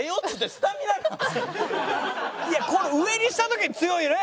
いやこの上にした時強いね。